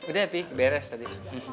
udah pi beres tadi